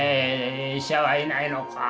「医者はいないのか」